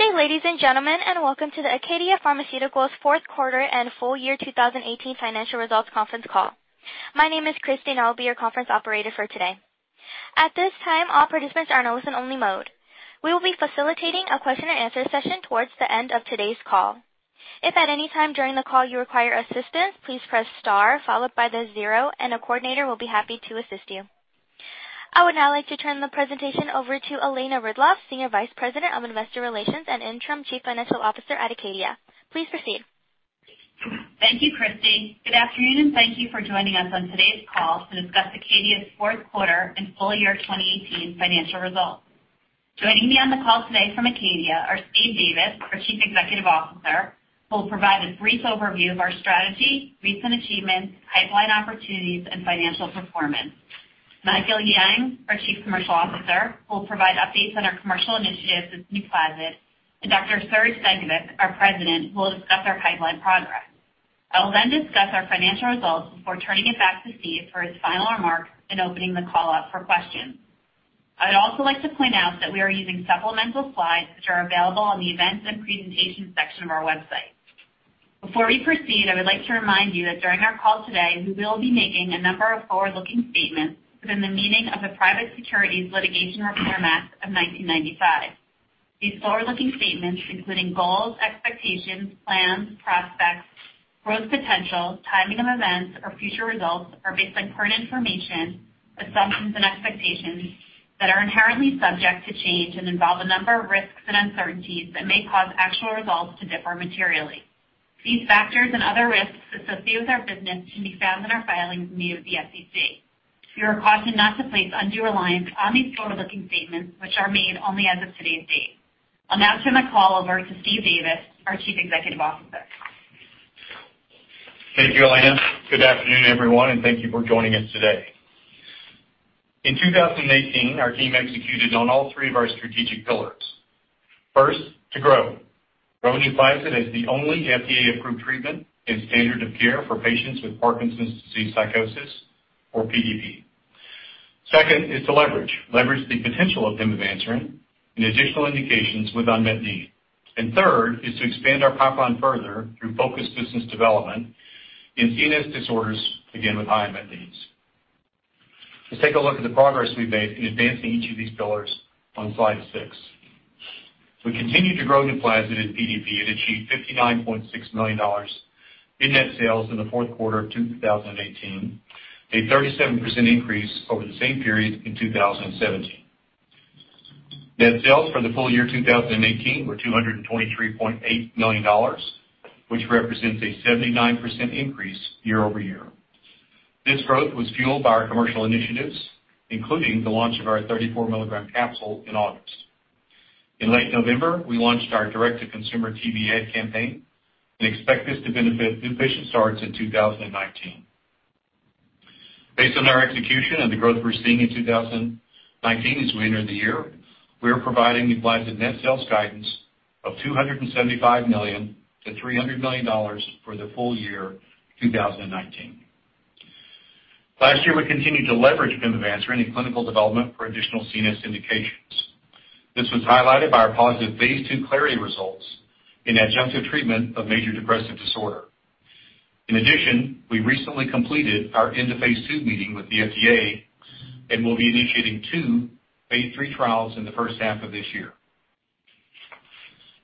Good day, ladies and gentlemen, and welcome to the ACADIA Pharmaceuticals' fourth quarter and full year 2018 financial results conference call. My name is Christy, and I'll be your conference operator for today. At this time, all participants are in listen only mode. We will be facilitating a question and answer session towards the end of today's call. If at any time during the call you require assistance, please press star followed by the zero and a coordinator will be happy to assist you. I would now like to turn the presentation over to Elena Ridloff, Senior Vice President of Investor Relations and Interim Chief Financial Officer at ACADIA Pharmaceuticals. Please proceed. Thank you, Christy. Good afternoon, and thank you for joining us on today's call to discuss ACADIA Pharmaceuticals' fourth quarter and full year 2018 financial results. Joining me on the call today from ACADIA Pharmaceuticals are Steve Davis, our Chief Executive Officer, who will provide a brief overview of our strategy, recent achievements, pipeline opportunities, and financial performance. Michael Yang, our Chief Commercial Officer, will provide updates on our commercial initiatives with NUPLAZID, and Dr. Srdjan Stankovic, our President, who will discuss our pipeline progress. I will then discuss our financial results before turning it back to Steve for his final remarks and opening the call up for questions. I'd also like to point out that we are using supplemental slides which are available on the Events and Presentations section of our website. Before we proceed, I would like to remind you that during our call today, we will be making a number of forward-looking statements within the meaning of the Private Securities Litigation Reform Act of 1995. These forward-looking statements, including goals, expectations, plans, prospects, growth potential, timing of events, or future results are based on current information, assumptions, and expectations that are inherently subject to change and involve a number of risks and uncertainties that may cause actual results to differ materially. These factors and other risks associated with our business can be found in our filings made with the SEC. You are cautioned not to place undue reliance on these forward-looking statements, which are made only as of today's date. I'll now turn the call over to Steve Davis, our Chief Executive Officer. Thank you, Elena. Good afternoon, everyone, thank you for joining us today. In 2018, our team executed on all three of our strategic pillars. First, to grow. Grow NUPLAZID as the only FDA-approved treatment and standard of care for patients with Parkinson's disease psychosis, or PDP. Second is to leverage. Leverage the potential of pimavanserin in additional indications with unmet need. Third is to expand our pipeline further through focused business development in CNS disorders, again, with high unmet needs. Let's take a look at the progress we've made in advancing each of these pillars on slide six. We continued to grow NUPLAZID in PDP and achieved $59.6 million in net sales in the fourth quarter of 2018, a 37% increase over the same period in 2017. Net sales for the full year 2018 were $223.8 million, which represents a 79% increase year-over-year. This growth was fueled by our commercial initiatives, including the launch of our 34 milligram capsule in August. In late November, we launched our direct-to-consumer TV ad campaign and expect this to benefit new patient starts in 2019. Based on our execution and the growth we're seeing in 2019 as we enter the year, we are providing NUPLAZID net sales guidance of $275 million to $300 million for the full year 2019. Last year, we continued to leverage pimavanserin in clinical development for additional CNS indications. This was highlighted by our positive phase II CLARITY results in adjunctive treatment of major depressive disorder. In addition, we recently completed our end of phase II meeting with the FDA and will be initiating 2 phase III trials in the first half of this year.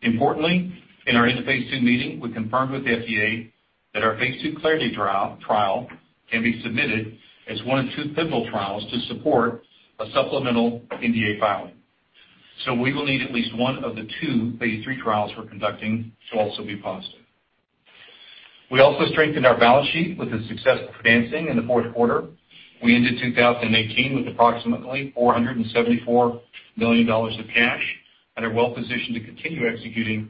In our end of phase II meeting, we confirmed with the FDA that our phase II CLARITY trial can be submitted as one of two pivotal trials to support a supplemental NDA filing. We will need at least one of the 2 phase III trials we're conducting to also be positive. We also strengthened our balance sheet with the success of advancing in the fourth quarter. We ended 2018 with approximately $474 million of cash and are well positioned to continue executing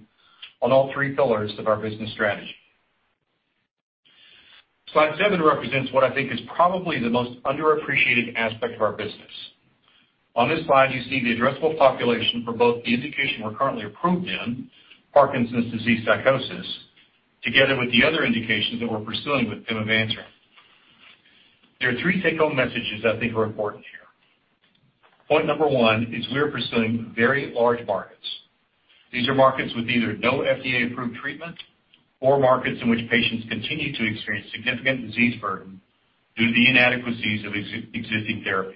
on all three pillars of our business strategy. Slide seven represents what I think is probably the most underappreciated aspect of our business. On this slide, you see the addressable population for both the indication we're currently approved in, Parkinson's disease psychosis, together with the other indications that we're pursuing with pimavanserin. There are three take home messages I think are important here. Point number one is we are pursuing very large markets. These are markets with either no FDA-approved treatment or markets in which patients continue to experience significant disease burden due to the inadequacies of existing therapies.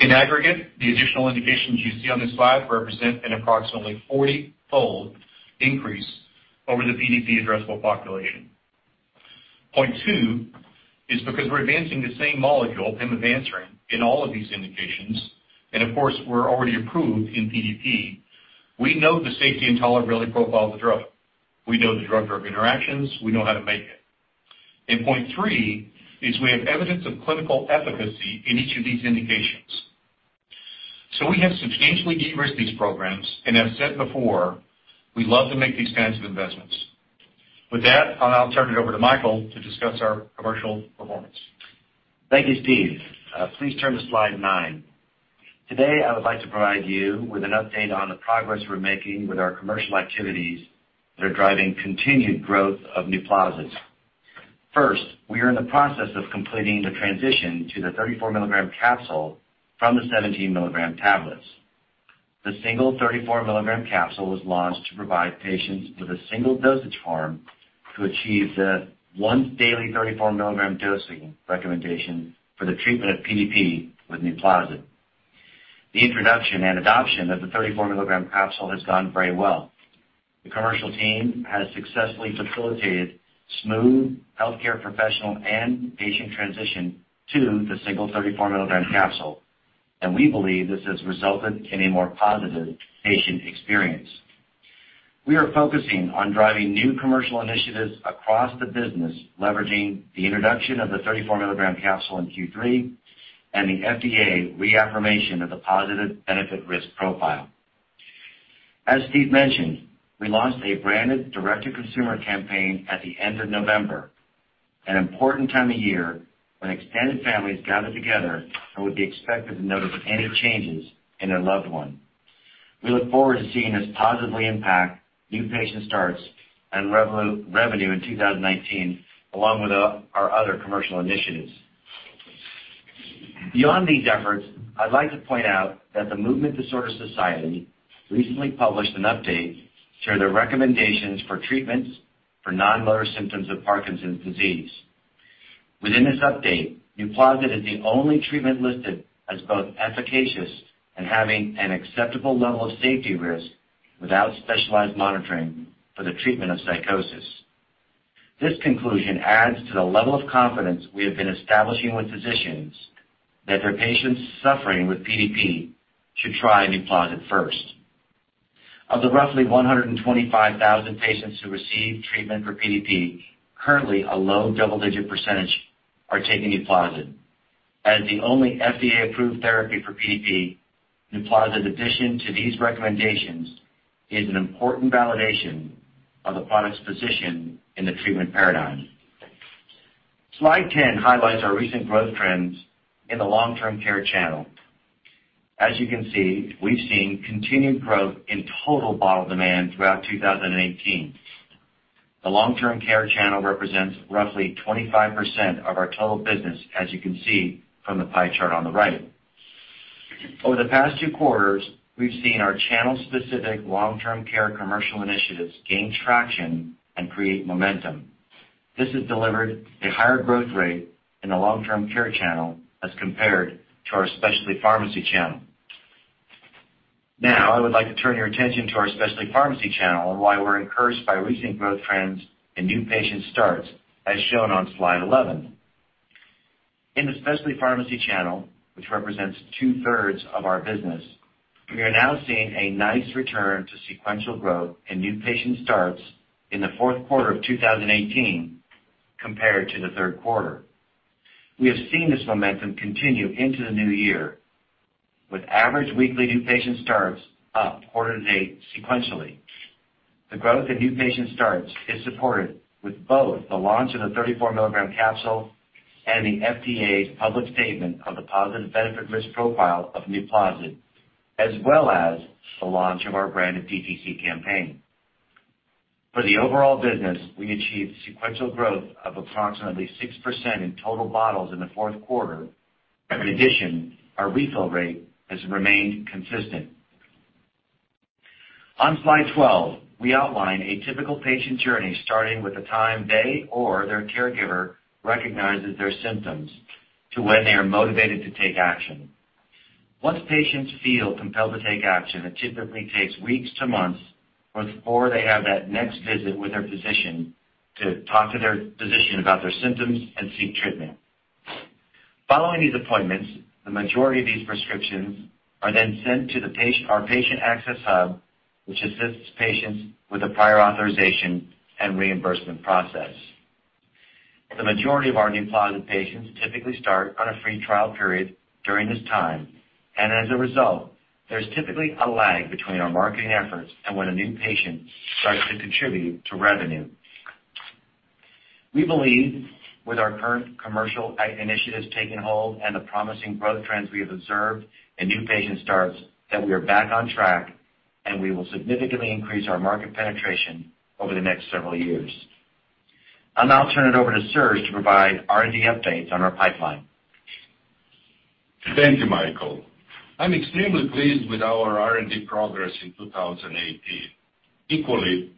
In aggregate, the additional indications you see on this slide represent an approximately 40-fold increase over the PDP addressable population. Point two is because we're advancing the same molecule, pimavanserin, in all of these indications, and of course, we're already approved in PDP, we know the safety and tolerability profile of the drug. We know the drug-drug interactions. We know how to make it. Point three is we have evidence of clinical efficacy in each of these indications. We have substantially de-risked these programs, and as said before, we love to make these kinds of investments. With that, I'll now turn it over to Michael to discuss our commercial performance. Thank you, Steve. Please turn to slide nine. Today, I would like to provide you with an update on the progress we're making with our commercial activities that are driving continued growth of NUPLAZID. First, we are in the process of completing the transition to the 34 milligram capsule from the 17 milligram tablets. The single 34 milligram capsule was launched to provide patients with a single dosage form to achieve the once-daily 34 milligram dosing recommendation for the treatment of PDP with NUPLAZID. The introduction and adoption of the 34 milligram capsule has gone very well. The commercial team has successfully facilitated smooth healthcare professional and patient transition to the single 34 milligram capsule, and we believe this has resulted in a more positive patient experience. We are focusing on driving new commercial initiatives across the business, leveraging the introduction of the 34 milligram capsule in Q3 and the FDA reaffirmation of the positive benefit risk profile. As Steve mentioned, we launched a branded direct-to-consumer campaign at the end of November, an important time of year when extended families gather together and would be expected to notice any changes in their loved one. We look forward to seeing this positively impact new patient starts and revenue in 2019, along with our other commercial initiatives. Beyond these efforts, I'd like to point out that the Movement Disorder Society recently published an update to their recommendations for treatments for non-motor symptoms of Parkinson's disease. Within this update, NUPLAZID is the only treatment listed as both efficacious and having an acceptable level of safety risk without specialized monitoring for the treatment of psychosis. This conclusion adds to the level of confidence we have been establishing with physicians that their patients suffering with PDP should try NUPLAZID first. Of the roughly 125,000 patients who receive treatment for PDP, currently a low double-digit percentage are taking NUPLAZID. As the only FDA-approved therapy for PDP, NUPLAZID addition to these recommendations is an important validation of the product's position in the treatment paradigm. Slide 10 highlights our recent growth trends in the long-term care channel. As you can see, we've seen continued growth in total bottle demand throughout 2018. The long-term care channel represents roughly 25% of our total business, as you can see from the pie chart on the right. Over the past two quarters, we've seen our channel-specific long-term care commercial initiatives gain traction and create momentum. This has delivered a higher growth rate in the long-term care channel as compared to our specialty pharmacy channel. Now, I would like to turn your attention to our specialty pharmacy channel and why we're encouraged by recent growth trends in new patient starts, as shown on slide 11. In the specialty pharmacy channel, which represents two-thirds of our business, we are now seeing a nice return to sequential growth and new patient starts in the fourth quarter of 2018 compared to the third quarter. We have seen this momentum continue into the new year with average weekly new patient starts up quarter to date sequentially. The growth in new patient starts is supported with both the launch of the 34 milligram capsule and the FDA's public statement of the positive benefit risk profile of NUPLAZID, as well as the launch of our branded DTC campaign. For the overall business, we achieved sequential growth of approximately 6% in total bottles in the fourth quarter. In addition, our refill rate has remained consistent. On slide 12, we outline a typical patient journey, starting with the time they or their caregiver recognizes their symptoms to when they are motivated to take action. Once patients feel compelled to take action, it typically takes weeks to months before they have that next visit with their physician to talk to their physician about their symptoms and seek treatment. Following these appointments, the majority of these prescriptions are then sent to our patient access hub, which assists patients with the prior authorization and reimbursement process. The majority of our NUPLAZID patients typically start on a free trial period during this time. As a result, there's typically a lag between our marketing efforts and when a new patient starts to contribute to revenue. We believe with our current commercial initiatives taking hold and the promising growth trends we have observed in new patient starts, that we are back on track. We will significantly increase our market penetration over the next several years. I'll now turn it over to Srdjan to provide R&D updates on our pipeline. Thank you, Michael. I'm extremely pleased with our R&D progress in 2018. Equally,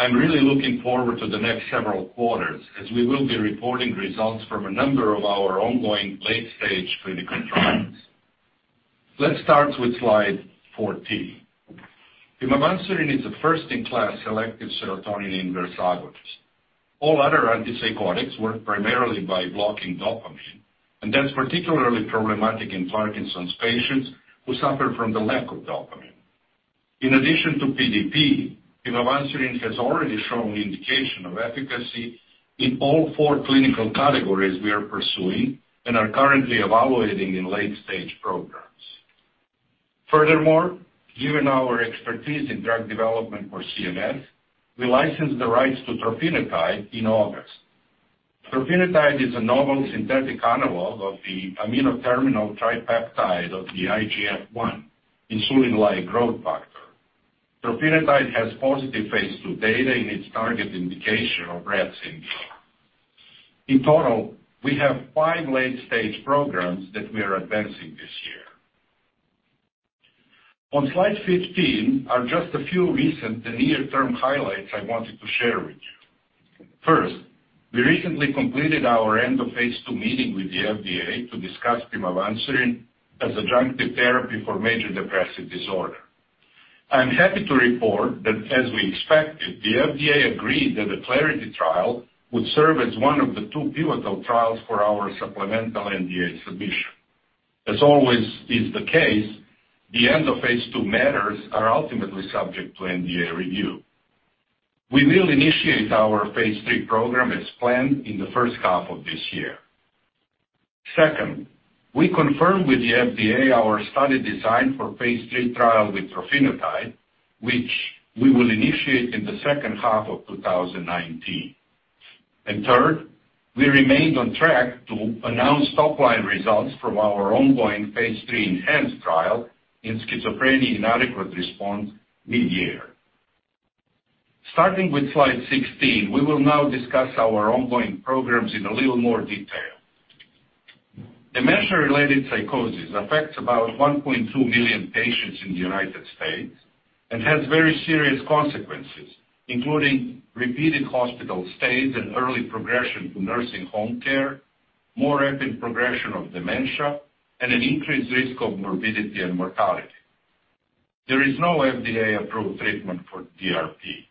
I'm really looking forward to the next several quarters as we will be reporting results from a number of our ongoing late-stage clinical trials. Let's start with slide 14. Pimavanserin is a first-in-class selective serotonin inverse agonist. All other antipsychotics work primarily by blocking dopamine. That's particularly problematic in Parkinson's patients who suffer from the lack of dopamine. In addition to PDP, pimavanserin has already shown indication of efficacy in all four clinical categories we are pursuing and are currently evaluating in late-stage programs. Given our expertise in drug development for CNS, we licensed the rights to trofinetide in August. Trofinetide is a novel synthetic analog of the amino terminal tripeptide of the IGF-1 insulin-like growth factor. Trofinetide has positive phase II data in its target indication of Rett syndrome. In total, we have five late-stage programs that we are advancing this year. On slide 15 are just a few recent and near-term highlights I wanted to share with you. First, we recently completed our end of phase II meeting with the FDA to discuss pimavanserin as adjunctive therapy for major depressive disorder. I'm happy to report that, as we expected, the FDA agreed that the CLARITY trial would serve as one of the two pivotal trials for our supplemental NDA submission. As always is the case, the end of phase II matters are ultimately subject to NDA review. We will initiate our phase III program as planned in the first half of this year. Second, we confirmed with the FDA our study design for phase III trial with trofinetide, which we will initiate in the second half of 2019. Third, we remained on track to announce top-line results from our ongoing phase III ENHANCE trial in schizophrenia inadequate response mid-year. Starting with slide 16, we will now discuss our ongoing programs in a little more detail. Dementia-related psychosis affects about 1.2 million patients in the U.S. and has very serious consequences, including repeated hospital stays, early progression to nursing home care, more rapid progression of dementia, and an increased risk of morbidity and mortality. There is no FDA-approved treatment for DRP.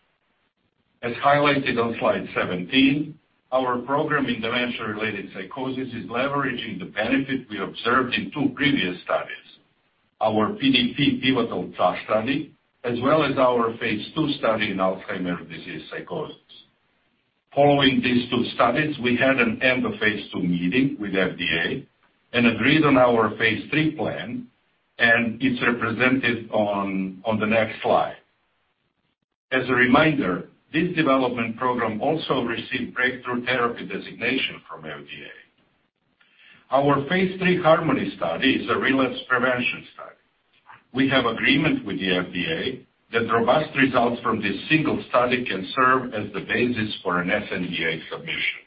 As highlighted on slide 17, our program in dementia-related psychosis is leveraging the benefit we observed in two previous studies, our PDP pivotal trial study, as well as our phase II study in Alzheimer's disease psychosis. Following these two studies, we had an end of phase II meeting with FDA and agreed on our phase III plan. It's represented on the next slide. As a reminder, this development program also received breakthrough therapy designation from FDA. Our phase III HARMONY study is a relapse prevention study. We have agreement with the FDA that robust results from this single study can serve as the basis for an sNDA submission.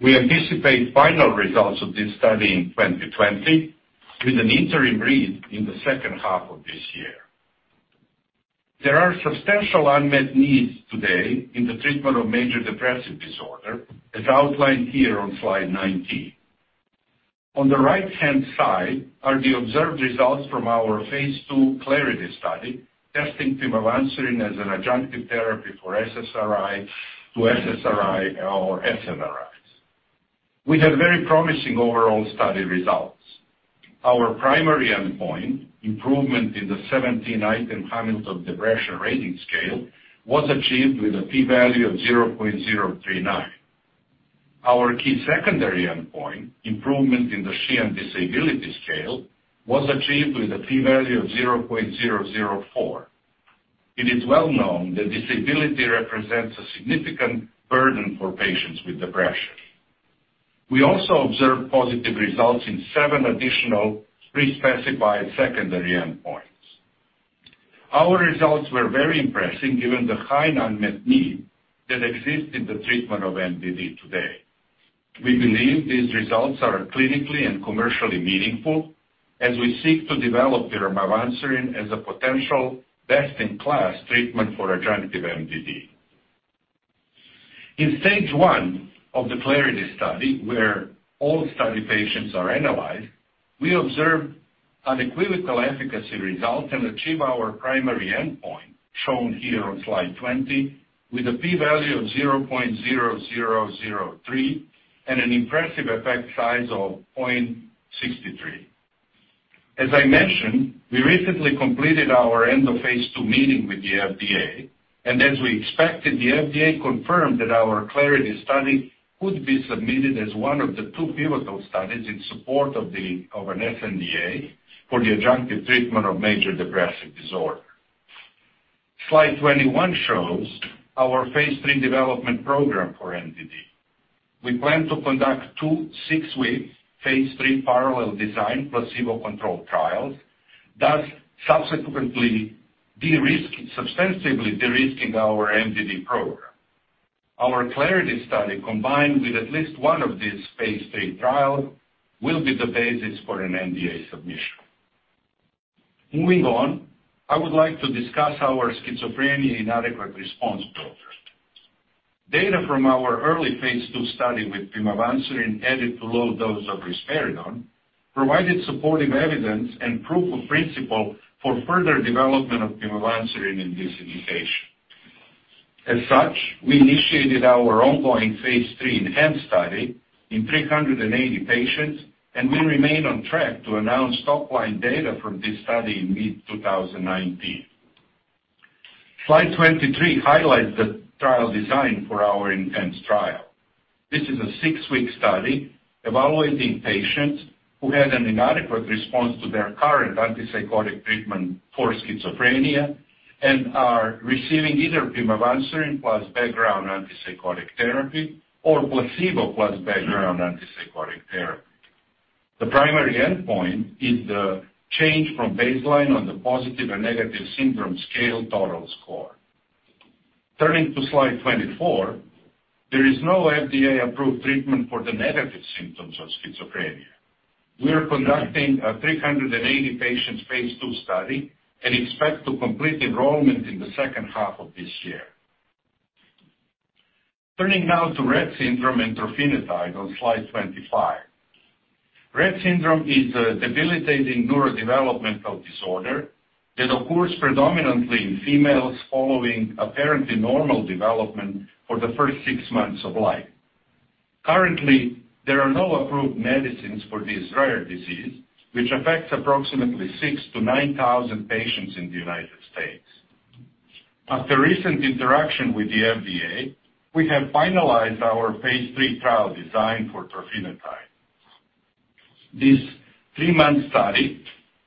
We anticipate final results of this study in 2020 with an interim read in the second half of this year. There are substantial unmet needs today in the treatment of major depressive disorder, as outlined here on slide 19. On the right-hand side are the observed results from our phase II CLARITY study, testing pimavanserin as an adjunctive therapy for SSRI to SSRI or SNRIs. We had very promising overall study results. Our primary endpoint, improvement in the 17-item Hamilton Depression Rating Scale, was achieved with a p-value of 0.039. Our key secondary endpoint, improvement in the Sheehan Disability Scale, was achieved with a p-value of 0.004. It is well known that disability represents a significant burden for patients with depression. We also observed positive results in seven additional pre-specified secondary endpoints. Our results were very impressive given the high unmet need that exists in the treatment of MDD today. We believe these results are clinically and commercially meaningful as we seek to develop pimavanserin as a potential best-in-class treatment for adjunctive MDD. In stage 1 of the CLARITY study, where all study patients are analyzed, we observed unequivocal efficacy results and achieved our primary endpoint, shown here on slide 20, with a p-value of 0.0003 and an impressive effect size of 0.63. As I mentioned, we recently completed our end of phase II meeting with the FDA. As we expected, the FDA confirmed that our CLARITY study could be submitted as one of the two pivotal studies in support of an sNDA for the adjunctive treatment of major depressive disorder. Slide 21 shows our phase III development program for MDD. We plan to conduct two six-week phase III parallel design placebo-controlled trials, thus substantively de-risking our MDD program. Our CLARITY study, combined with at least one of these phase III trials, will be the basis for an NDA submission. Moving on, I would like to discuss our schizophrenia inadequate response program. Data from our early phase II study with pimavanserin added to low dose of risperidone provided supportive evidence and proof of principle for further development of pimavanserin in this indication. As such, we initiated our ongoing phase III ENHANCE study in 380 patients. We remain on track to announce top-line data from this study in mid-2019. Slide 23 highlights the trial design for our ENHANCE trial. This is a six-week study evaluating patients who had an inadequate response to their current antipsychotic treatment for schizophrenia and are receiving either pimavanserin plus background antipsychotic therapy or placebo plus background antipsychotic therapy. The primary endpoint is the change from baseline on the Positive and Negative Syndrome Scale total score. Turning to slide 24, there is no FDA-approved treatment for the negative symptoms of schizophrenia. We are conducting a 380 patients phase II study and expect to complete enrollment in the second half of this year. Turning now to Rett syndrome and trofinetide on slide 25. Rett syndrome is a debilitating neurodevelopmental disorder that occurs predominantly in females following apparently normal development for the first six months of life. Currently, there are no approved medicines for this rare disease, which affects approximately six to nine thousand patients in the U.S. After recent interaction with the FDA, we have finalized our phase III trial design for trofinetide. This three-month study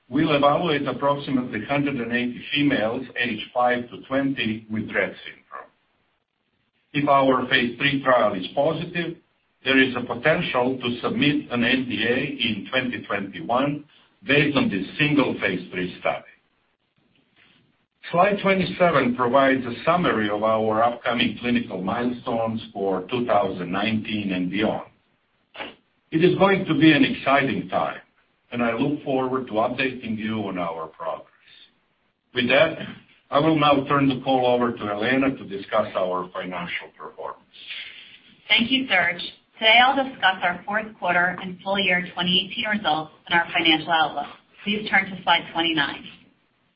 will evaluate approximately 180 females aged 5 to 20 with Rett syndrome. If our phase III trial is positive, there is a potential to submit an NDA in 2021 based on this single phase III study. Slide twenty-seven provides a summary of our upcoming clinical milestones for 2019 and beyond. It is going to be an exciting time, and I look forward to updating you on our progress. With that, I will now turn the call over to Elena to discuss our financial performance. Thank you, Srdjan. Today, I'll discuss our fourth quarter and full year 2018 results and our financial outlook. Please turn to slide twenty-nine.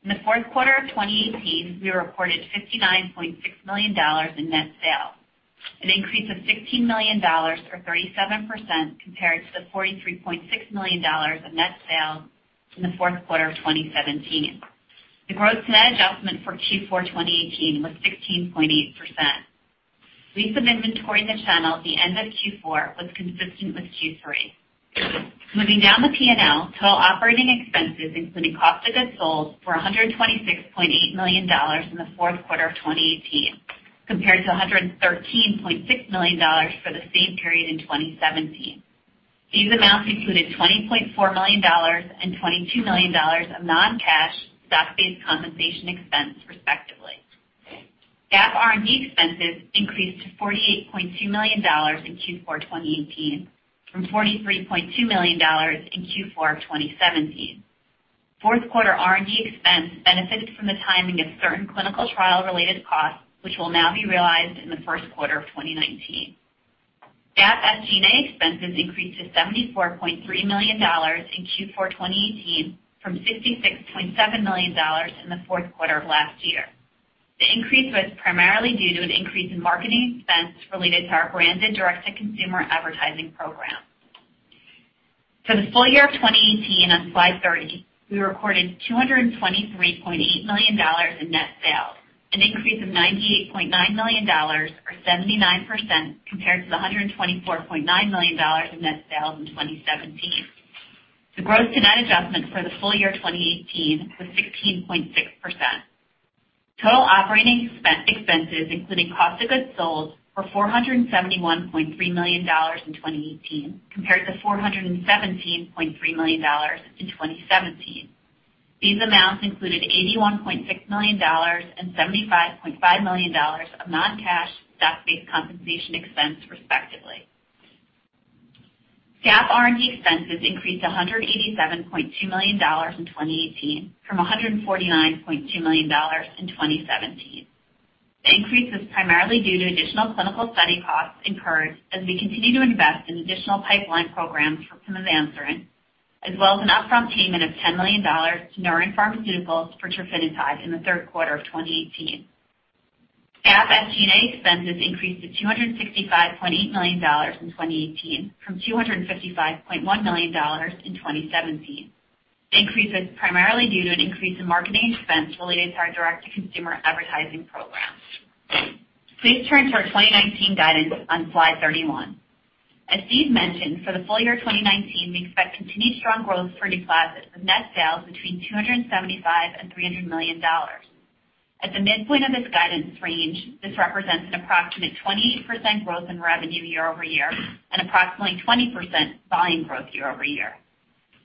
In the fourth quarter of 2018, we reported $59.6 million in net sales, an increase of $16 million or 37% compared to the $43.6 million of net sales in the fourth quarter of 2017. The gross net adjustment for Q4 2018 was 16.8%. Level of inventory in the channel at the end of Q4 was consistent with Q3. Moving down the P&L, total operating expenses, including cost of goods sold, for $126.8 million in the fourth quarter of 2018, compared to $113.6 million for the same period in 2017. These amounts included $20.4 million and $22 million of non-cash stock-based compensation expense, respectively. GAAP R&D expenses increased to $48.2 million in Q4 2018 from $43.2 million in Q4 of 2017. Fourth quarter R&D expense benefited from the timing of certain clinical trial-related costs, which will now be realized in the first quarter of 2019. GAAP SG&A expenses increased to $74.3 million in Q4 2018 from $66.7 million in the fourth quarter of last year. The increase was primarily due to an increase in marketing expense related to our branded direct-to-consumer advertising program. For the full year of 2018 on slide 30, we recorded $223.8 million in net sales, an increase of $98.9 million or 79% compared to the $124.9 million of net sales in 2017. The gross to net adjustment for the full year 2018 was 16.6%. Total operating expenses, including cost of goods sold, for $471.3 million in 2018 compared to $417.3 million in 2017. These amounts included $81.6 million and $75.5 million of non-cash stock-based compensation expense, respectively. GAAP R&D expenses increased to $187.2 million in 2018 from $149.2 million in 2017. The increase is primarily due to additional clinical study costs incurred as we continue to invest in additional pipeline programs for pimavanserin, as well as an upfront payment of $10 million to Neuren Pharmaceuticals for trofinetide in the third quarter of 2018. GAAP SG&A expenses increased to $265.8 million in 2018 from $255.1 million in 2017. The increase was primarily due to an increase in marketing expense related to our direct-to-consumer advertising program. Please turn to our 2019 guidance on slide 31. As Steve mentioned, for the full year 2019, we expect continued strong growth for NUPLAZID with net sales between $275 million and $300 million. At the midpoint of this guidance range, this represents an approximate 28% growth in revenue year-over-year and approximately 20% volume growth year-over-year.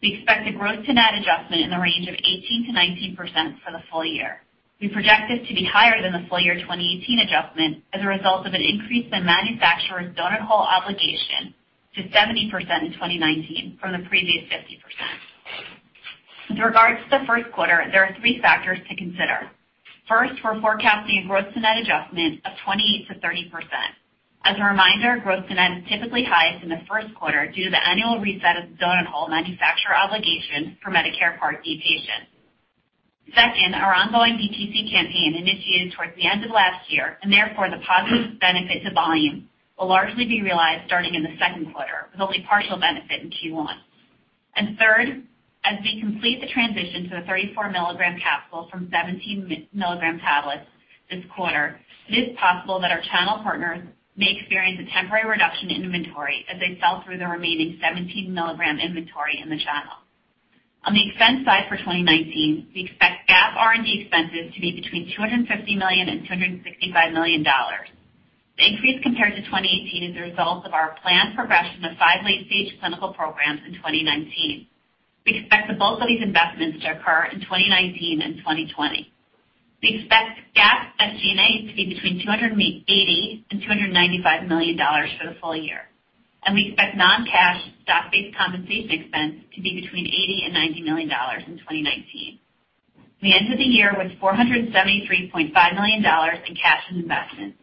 We expect a growth to net adjustment in the range of 18%-19% for the full year. We project this to be higher than the full year 2018 adjustment as a result of an increase in manufacturer's donut hole obligation to 70% in 2019 from the previous 50%. With regards to the first quarter, there are three factors to consider. First, we're forecasting a growth to net adjustment of 20%-30%. As a reminder, growth to net is typically highest in the first quarter due to the annual reset of the donut hole manufacturer obligation for Medicare Part D patients. Second, our ongoing DTC campaign initiated towards the end of last year, therefore, the positive benefit to volume will largely be realized starting in the second quarter, with only partial benefit in Q1. Third, as we complete the transition to the 34-milligram capsule from 17-milligram tablets this quarter, it is possible that our channel partners may experience a temporary reduction in inventory as they sell through the remaining 17-milligram inventory in the channel. On the expense side for 2019, we expect GAAP R&D expenses to be between $250 million and $265 million. The increase compared to 2018 is a result of our planned progression of five late-stage clinical programs in 2019. We expect the bulk of these investments to occur in 2019 and 2020. We expect GAAP SG&A to be between $280 million and $295 million for the full year, and we expect non-cash stock-based compensation expense to be between $80 million and $90 million in 2019. We ended the year with $473.5 million in cash and investments.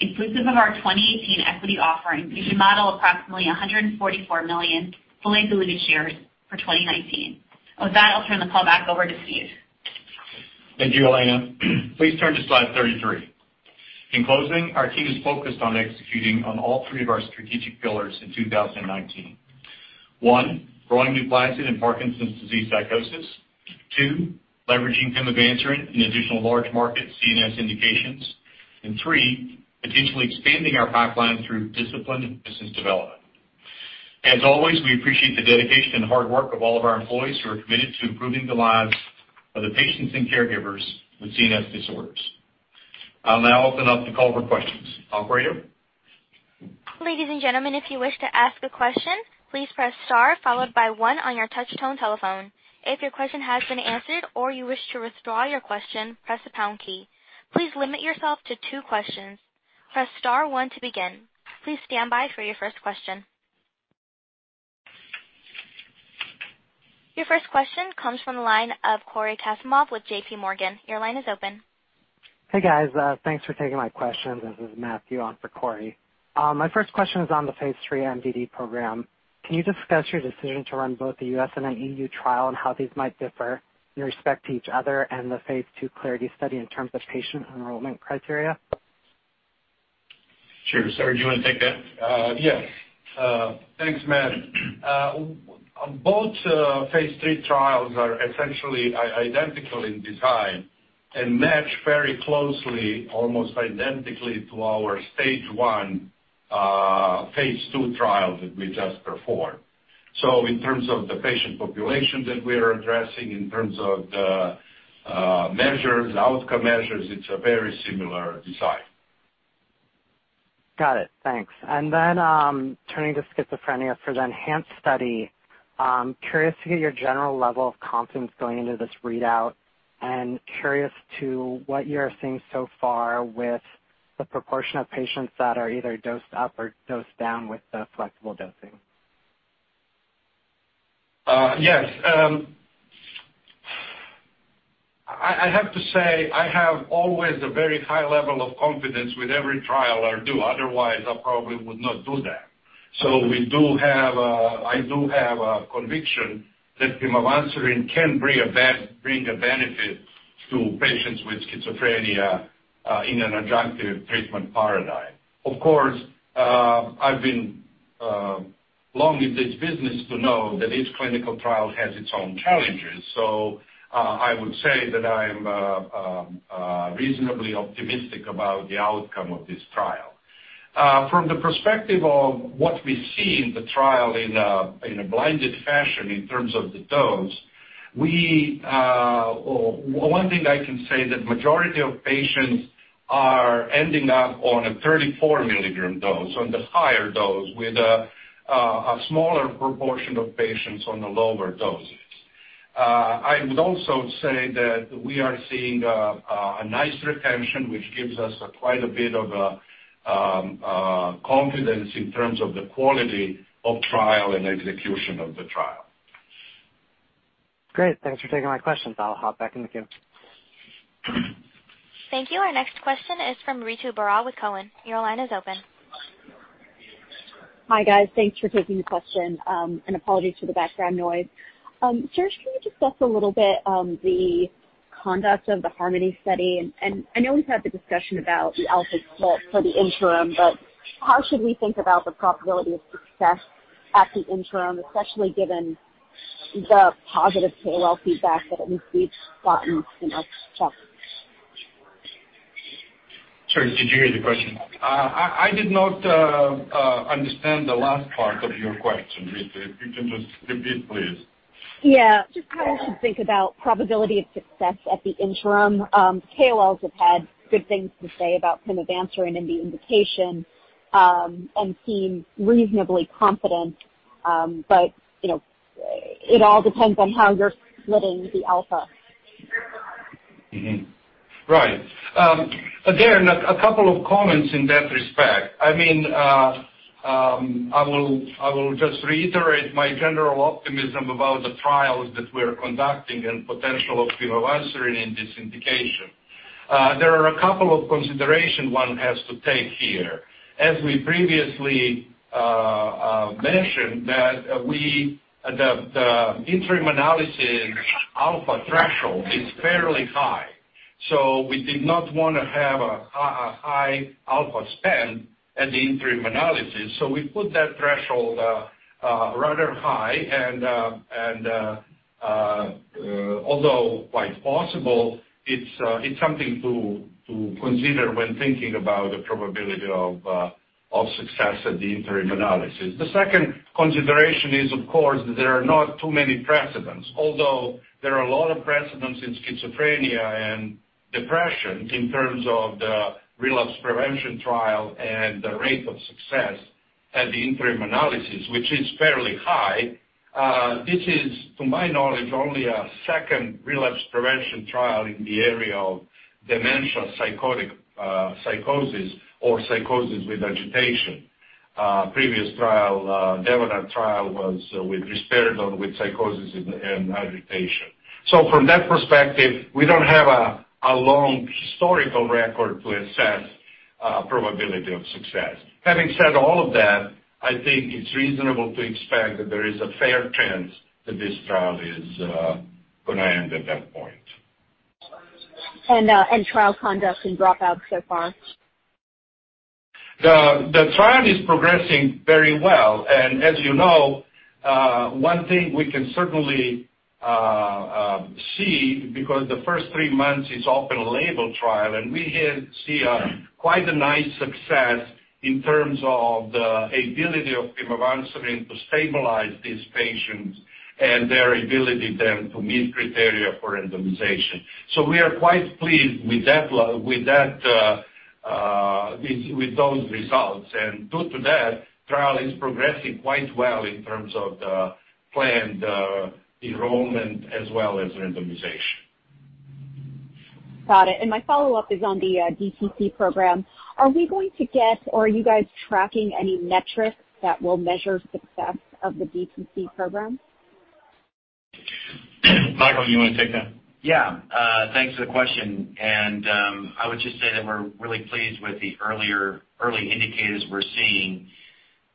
Inclusive of our 2018 equity offering, we model approximately 144 million fully diluted shares for 2019. With that, I'll turn the call back over to Steve. Thank you, Elena. Please turn to slide 33. In closing, our team is focused on executing on all three of our strategic pillars in 2019. One, growing NUPLAZID in Parkinson's disease psychosis. Two, leveraging pimavanserin in additional large market CNS indications. Three, potentially expanding our pipeline through disciplined business development. As always, we appreciate the dedication and hard work of all of our employees who are committed to improving the lives of the patients and caregivers with CNS disorders. I'll now open up the call for questions. Operator? Ladies and gentlemen, if you wish to ask a question, please press star followed by one on your touch tone telephone. If your question has been answered or you wish to withdraw your question, press the pound key. Please limit yourself to two questions. Press star one to begin. Please stand by for your first question. Your first question comes from the line of Cory Kasimov with J.P. Morgan. Your line is open. Hey, guys. Thanks for taking my questions. This is Matthew on for Cory. My first question is on the phase III MDD program. Can you discuss your decision to run both the U.S. and an EU trial, and how these might differ in respect to each other and the phase II CLARITY study in terms of patient enrollment criteria? Sure. Srdjan, do you want to take that? Yes. Thanks, Matt. Both phase III trials are essentially identical in design and match very closely, almost identically, to our stage 1 phase II trial that we just performed. In terms of the patient population that we are addressing, in terms of the measures, outcome measures, it's a very similar design. Got it. Thanks. Turning to schizophrenia for the ENHANCE study, curious to get your general level of confidence going into this readout, and curious to what you are seeing so far with the proportion of patients that are either dosed up or dosed down with the flexible dosing. Yes. I have to say, I have always a very high level of confidence with every trial I do, otherwise I probably would not do that. I do have a conviction that pimavanserin can bring a benefit to patients with schizophrenia, in an adjunctive treatment paradigm. Of course, I've been long in this business to know that each clinical trial has its own challenges. I would say that I'm reasonably optimistic about the outcome of this trial. From the perspective of what we see in the trial in a blinded fashion in terms of the dose, one thing I can say that majority of patients are ending up on a 34 mg dose, on the higher dose, with a smaller proportion of patients on the lower doses. I would also say that we are seeing a nice retention, which gives us quite a bit of confidence in terms of the quality of trial and execution of the trial. Great. Thanks for taking my questions. I'll hop back in the queue. Thank you. Our next question is from Ritu Baral with Cowen. Your line is open. Hi, guys. Thanks for taking the question. Apologies for the background noise. Srdjan, can you discuss a little bit on the conduct of the HARMONY study? I know we've had the discussion about the alpha split for the interim, but how should we think about the probability of success at the interim, especially given the positive KOL feedback that at least we've gotten in our checks? Sorry, did you hear the question? I did not understand the last part of your question, Ritu. If you can just repeat, please. Yeah. Just how I should think about probability of success at the interim. KOLs have had good things to say about pimavanserin and the indication, and seem reasonably confident. It all depends on how you're splitting the alpha. Right. Again, a couple of comments in that respect. I will just reiterate my general optimism about the trials that we're conducting and potential of pimavanserin in this indication. There are a couple of consideration one has to take here. As we previously mentioned, the interim analysis alpha threshold is fairly high. We did not want to have a high alpha spend at the interim analysis. We put that threshold rather high. Although quite possible, it's something to consider when thinking about the probability of success at the interim analysis. The second consideration is, of course, there are not too many precedents. Although there are a lot of precedents in schizophrenia and depression in terms of the relapse prevention trial and the rate of success at the interim analysis, which is fairly high. This is, to my knowledge, only a second relapse prevention trial in the area of dementia, psychosis, or psychosis with agitation. Previous trial, Devynar trial, was with risperidone with psychosis and agitation. From that perspective, we don't have a long historical record to assess probability of success. Having said all of that, I think it's reasonable to expect that there is a fair chance that this trial is going to end at that point. Trial conduct and dropout so far? The trial is progressing very well. As you know, one thing we can certainly see, because the first three months is open-label trial, and we here see quite a nice success in terms of the ability of pimavanserin to stabilize these patients and their ability then to meet criteria for randomization. We are quite pleased with those results. Due to that, trial is progressing quite well in terms of the planned enrollment as well as randomization. Got it. My follow-up is on the DTC program. Are we going to get, or are you guys tracking any metrics that will measure success of the DTC program? Michael, you want to take that? Yeah. Thanks for the question. I would just say that we're really pleased with the early indicators we're seeing,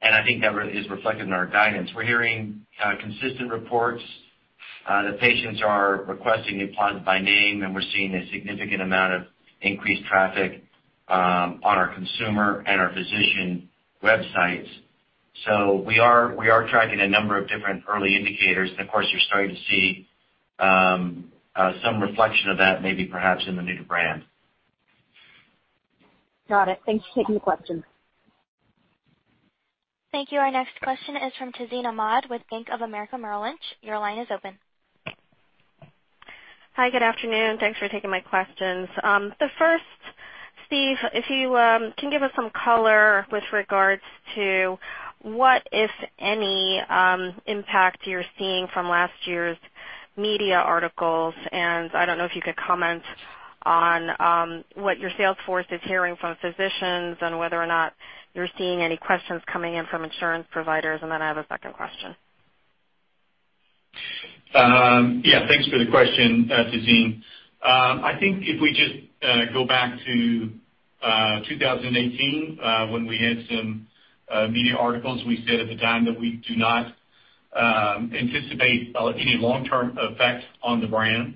and I think that is reflected in our guidance. We're hearing consistent reports that patients are requesting NUPLAZID by name, and we're seeing a significant amount of increased traffic on our consumer and our physician websites. We are tracking a number of different early indicators. Of course, you're starting to see some reflection of that maybe perhaps in the new brand. Got it. Thanks for taking the question. Thank you. Our next question is from Tazeen Ahmad with Bank of America Merrill Lynch. Your line is open. Hi. Good afternoon. Thanks for taking my questions. The first, Steve, if you can give us some color with regards to what, if any, impact you're seeing from last year's media articles. I don't know if you could comment on what your sales force is hearing from physicians and whether or not you're seeing any questions coming in from insurance providers. I have a second question. Yeah. Thanks for the question, Tazeen. I think if we just go back to 2018, when we had some media articles, we said at the time that we do not anticipate any long-term effect on the brand.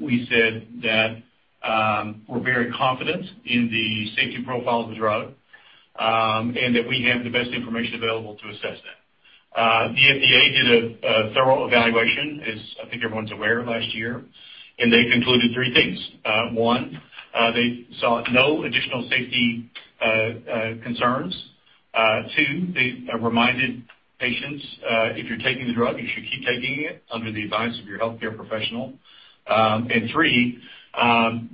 We said that we're very confident in the safety profile of the drug, and that we have the best information available to assess that. The FDA did a thorough evaluation as I think everyone's aware of last year, and they concluded three things. One, they saw no additional safety concerns. Two, they reminded patients, if you're taking the drug, you should keep taking it under the advice of your healthcare professional. Three,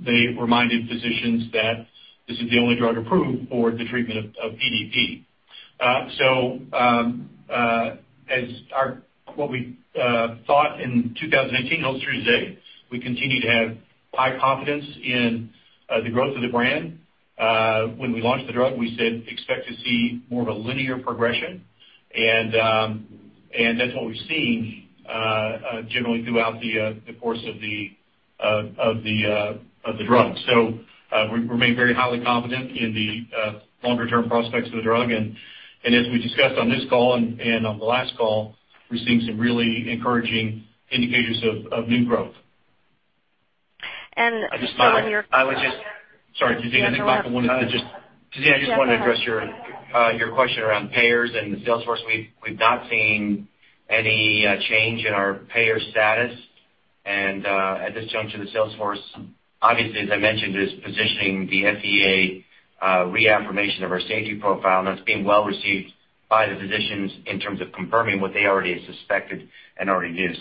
they reminded physicians that this is the only drug approved for the treatment of PDP. What we thought in 2018 holds through today. We continue to have high confidence in the growth of the brand. When we launched the drug, we said, expect to see more of a linear progression. That's what we've seen generally throughout the course of the drug. We remain very highly confident in the longer-term prospects of the drug. As we discussed on this call and on the last call, we're seeing some really encouraging indicators of new growth. When you're- Sorry, Tazeen. I think Michael wanted to just- Go ahead, Michael. Tazeen, I just wanted to address your question around payers and the sales force. We've not seen any change in our payer status. At this juncture, the sales force, obviously, as I mentioned, is positioning the FDA reaffirmation of our safety profile. That's being well received by the physicians in terms of confirming what they already suspected and already knew.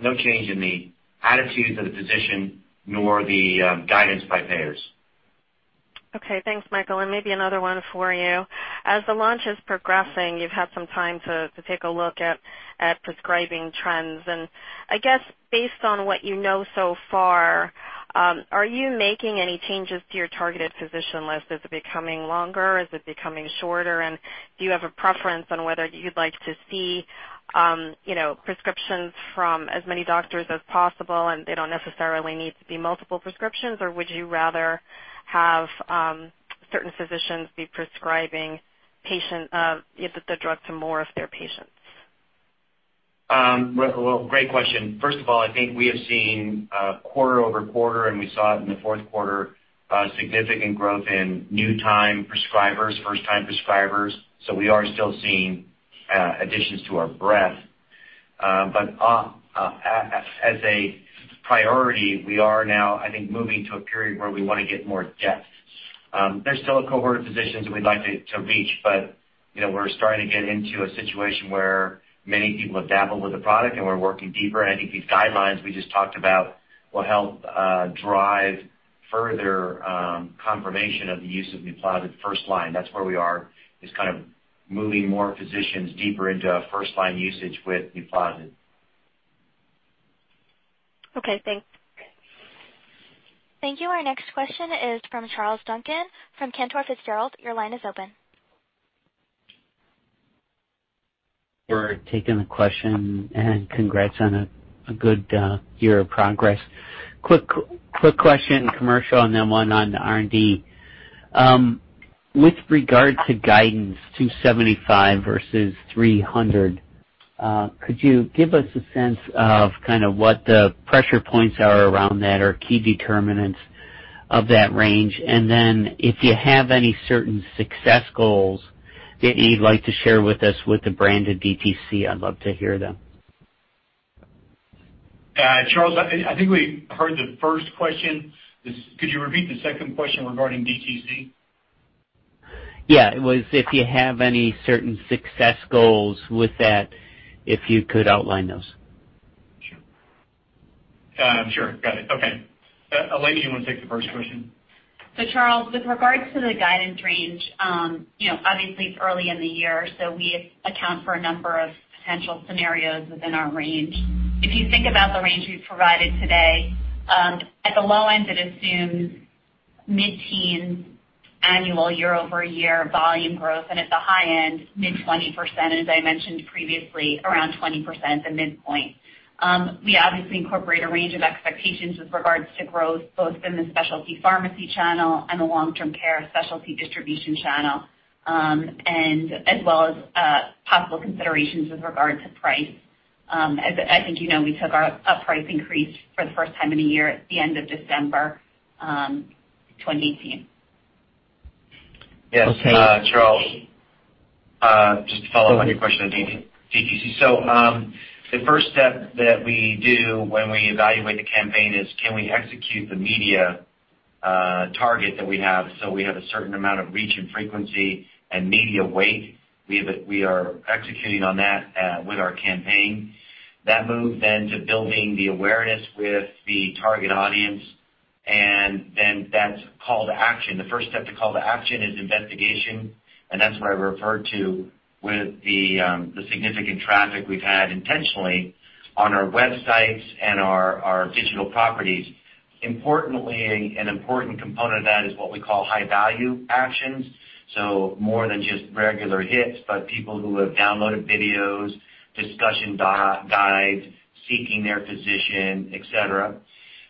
No change in the attitudes of the physician nor the guidance by payers. Okay. Thanks, Michael. Maybe another one for you. As the launch is progressing, you've had some time to take a look at prescribing trends. I guess based on what you know so far, are you making any changes to your targeted physician list? Is it becoming longer? Is it becoming shorter? Do you have a preference on whether you'd like to see prescriptions from as many doctors as possible, and they don't necessarily need to be multiple prescriptions, or would you rather have certain physicians be prescribing the drug to more of their patients? Great question. First of all, I think we have seen quarter-over-quarter, and we saw it in the fourth quarter, significant growth in new time prescribers, first-time prescribers. We are still seeing additions to our breadth. As a priority, we are now, I think, moving to a period where we want to get more depth. There's still a cohort of physicians that we'd like to reach, but we're starting to get into a situation where many people have dabbled with the product, and we're working deeper. I think these guidelines we just talked about will help drive further confirmation of the use of NUPLAZID first line. That's where we are, is kind of moving more physicians deeper into a first-line usage with NUPLAZID. Okay, thanks. Thank you. Our next question is from Charles Duncan from Cantor Fitzgerald. Your line is open. For taking the question. Congrats on a good year of progress. Quick question, commercial. Then one on R&D. With regard to guidance $275 versus $300, could you give us a sense of kind of what the pressure points are around that are key determinants of that range? Then if you have any certain success goals that you'd like to share with us with the branded DTC, I'd love to hear them. Charles, I think we heard the first question. Could you repeat the second question regarding DTC? Yeah. It was if you have any certain success goals w ith that, if you could outline those. Sure. Got it. Okay. Elena, do you want to take the first question? Charles, with regards to the guidance range, obviously it's early in the year, so we account for a number of potential scenarios within our range. If you think about the range we've provided today, at the low end, it assumes mid-teens annual year-over-year volume growth, and at the high end, mid 20%, as I mentioned previously, around 20% the midpoint. We obviously incorporate a range of expectations with regards to growth, both in the specialty pharmacy channel and the long-term care specialty distribution channel, and as well as possible considerations with regard to price. As I think you know, we took our price increase for the first time in a year at the end of December 2018. Okay. Yes. Charles, just to follow up on your question on DTC. The first step that we do when we evaluate the campaign is, can we execute the media target that we have? We have a certain amount of reach and frequency and media weight. We are executing on that with our campaign. That moved then to building the awareness with the target audience, and then that's call to action. The first step to call to action is investigation, and that's what I referred to with the significant traffic we've had intentionally on our websites and our digital properties. Importantly, an important component of that is what we call high-value actions. More than just regular hits, but people who have downloaded videos, discussion guides, seeking their physician, et cetera.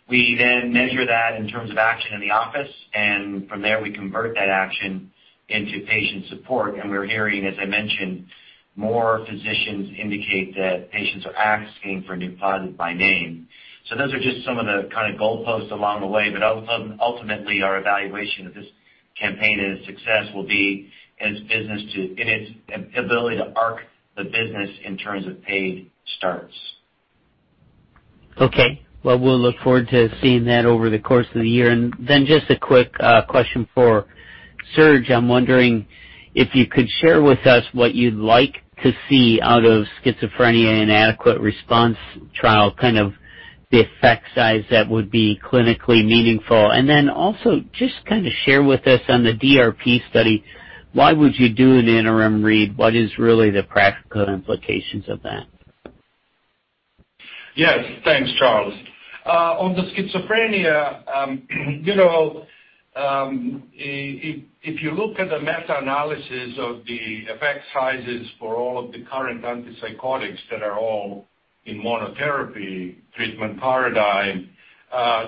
We measure that in terms of action in the office, and from there, we convert that action into patient support. We're hearing, as I mentioned, more physicians indicate that patients are asking for NUPLAZID by name. Those are just some of the kind of goalposts along the way. Ultimately, our evaluation of this campaign and its success will be in its ability to arc the business in terms of paid starts. Okay. Well, we'll look forward to seeing that over the course of the year. Just a quick question for Srdjan. I'm wondering if you could share with us what you'd like to see out of schizophrenia inadequate response trial, kind of the effect size that would be clinically meaningful. Also just kind of share with us on the DRP study, why would you do an interim read? What is really the practical implications of that? Yes. Thanks, Charles. On the schizophrenia, if you look at the meta-analysis of the effect sizes for all of the current antipsychotics that are all in monotherapy treatment paradigm,